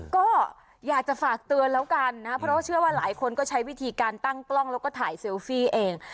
ก็อยากจะฝากเตือนแล้วกันนะเพราะว่าเชื่อว่าหลายคนก็ใช้วิธีการตั้งกล้องแล้วก็ถ่ายเซลฟี่เอง